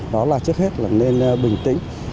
đó là trước hết là nên bình tĩnh